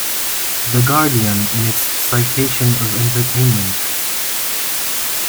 The Guardian, in its citation of Entertainment!